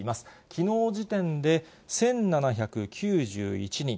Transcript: きのう時点で１７９１人。